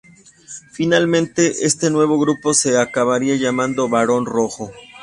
Finalmente, este nuevo grupo se acabaría llamando Barón Rojo.